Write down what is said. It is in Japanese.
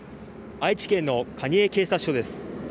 愛知県の蟹江警察署です。